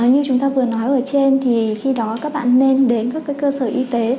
như chúng ta vừa nói ở trên thì khi đó các bạn nên đến các cơ sở y tế